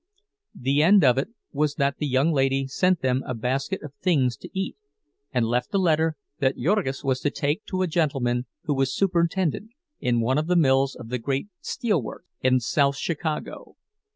The end of it was that the young lady sent them a basket of things to eat, and left a letter that Jurgis was to take to a gentleman who was superintendent in one of the mills of the great steelworks in South Chicago.